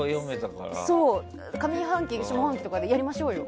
上半期、下半期とかでやりましょうよ。